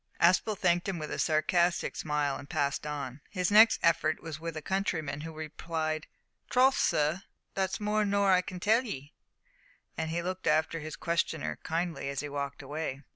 Aspel thanked him with a sarcastic smile and passed on. His next effort was with a countryman, who replied, "Troth, sur, that's more nor I can tell 'ee," and looked after his questioner kindly as he walked away.